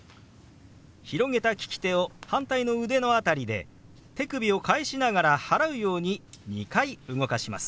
広げた利き手を反対の腕の辺りで手首を返しながら払うように２回動かします。